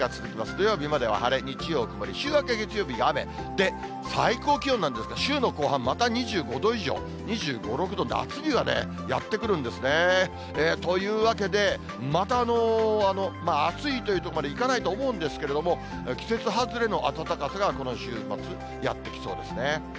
土曜日までは晴れ、日曜曇り、週明け月曜日が雨、で、最高気温なんですが週の後半、また２５度以上、２５、６度、夏日がやって来るんですね。というわけで、また暑いというとこまでいかないと思うんですけれども、季節外れの暖かさが、この週末、やって来そうですね。